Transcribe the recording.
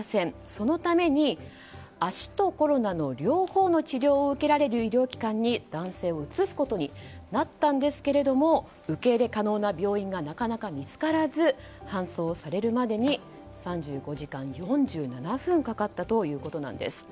そのために、足とコロナの両方の治療を受けられる医療機関に男性を移すことになったんですが受け入れ可能な病院がなかなか見つからず搬送されるまでに３５時間４７分かかったということです。